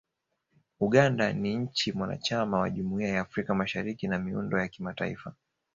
Uganda ni nchi mwanachama wa Jumuiya ya Afrika ya Mashariki na miundo ya kimataifa